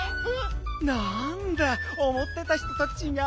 なんだおもってた人とちがうね。